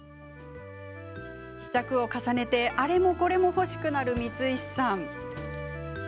試着を重ねてあれもこれも欲しくなる光石さん。